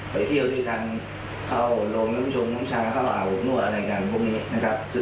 ไปเที่ยวด้วยกันเข้าโรงน้ำชงน้ำชาเข้ามาอาบอบนวดอะไรกันพวกนี้นะครับ